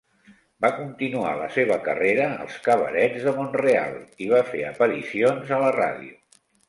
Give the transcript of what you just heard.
Va continuar la seva carrera als cabarets de Mont-real i va fer aparicions a la ràdio.